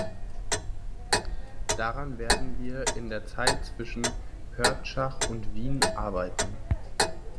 Daran werden wir in der Zeit zwischen Pörtschach und Wien arbeiten.